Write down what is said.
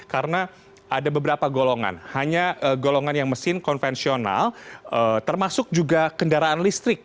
karena ada beberapa golongan hanya golongan yang mesin konvensional termasuk juga kendaraan listrik